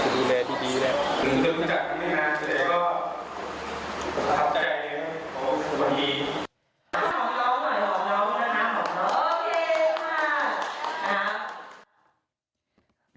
จะดูแลที่ดีเลย